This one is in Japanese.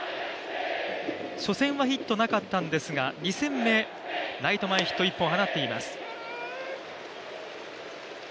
初戦はヒットなかったんですが２戦目、ライト前ヒット、１本放っています。